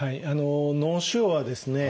脳腫瘍はですね